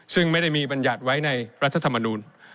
ซึ่งไม่ได้มีบรรยัติไว้ในรัฐธรรมนูล